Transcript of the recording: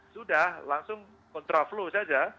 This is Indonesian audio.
sudah langsung kontra flow saja